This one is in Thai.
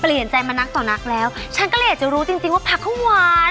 เปลี่ยนใจมานักต่อนักแล้วฉันก็เลยอยากจะรู้จริงจริงว่าผักเขาหวาน